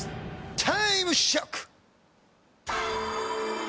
タイムショック！